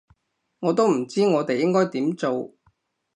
我都唔知我哋應該點做